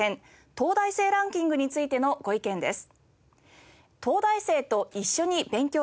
東大生ランキング』についてのご意見です。